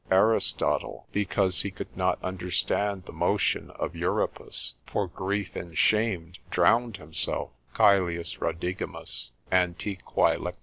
Aristotle, because he could not understand the motion of Euripus, for grief and shame drowned himself: Caelius Rodigimus antiquar.